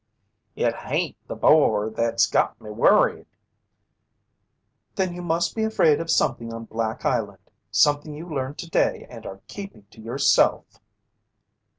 "It hain't the boar that's got me worried." "Then you must be afraid of something on Black Island something you learned today and are keeping to yourself!"